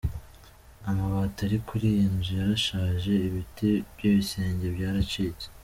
Amabati ari kuri iyi nzu yarashaje ibiti by’igisenge byaracitse.